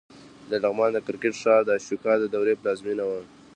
د لغمان د کرکټ ښار د اشوکا د دورې پلازمېنه وه